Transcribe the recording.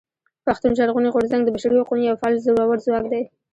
پښتون ژغورني غورځنګ د بشري حقونو يو فعال زورور ځواک دی.